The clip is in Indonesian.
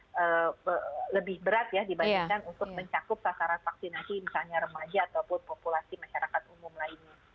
dibandingkan untuk mencakup sasaran vaksinasi misalnya remaja ataupun populasi masyarakat umum lainnya